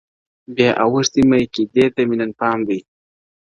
• بیا اوښتی میکدې ته مي نن پام دی..